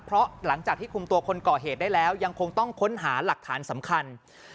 เพราะหลังจากที่คุมตัวคนก่อเหตุได้แล้วยังคงต้องค้นหาหลักฐานสำคัญ